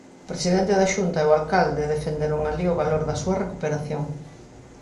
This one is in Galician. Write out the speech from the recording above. O presidente da Xunta e o alcalde defenderon alí o valor da súa recuperación.